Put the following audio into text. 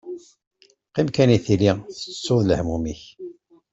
Qqim kan i tili tettuḍ lehmum-ik.